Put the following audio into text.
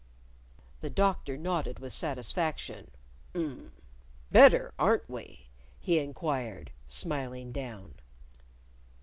The Doctor nodded with satisfaction. "Um! Better, aren't we?" he inquired, smiling down.